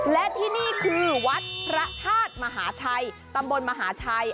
และที่นี่คือวัดพระธาตุมหาชัยตำบลมหาชัย